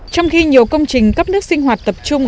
trong khi nhiều công trình cấp nước sinh hoạt tập trung